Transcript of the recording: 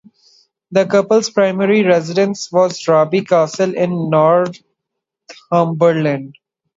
The couple's primary residence was Raby Castle in Northumberland.